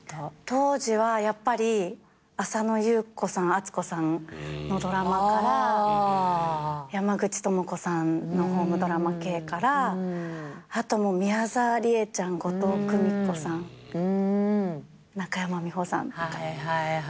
当時はやっぱり浅野ゆう子さん温子さんのドラマから山口智子さんのホームドラマ系からあと宮沢りえちゃん後藤久美子さん中山美穂さんとか。